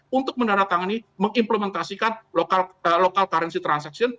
yang merupakan cara mengimplementasikan lokal currency transaction